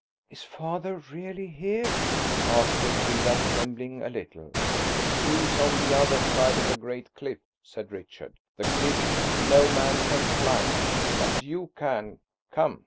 "Is father really here?" asked Elfrida, trembling a little. "He's on the other side of the great cliff," said Richard,–"the cliff no man can climb. But you can come."